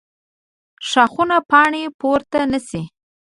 ښاخونه پاڼې پورته نیسي